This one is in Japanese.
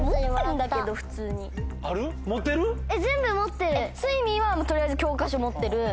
・全部持ってる・『スイミー』は教科書持ってる。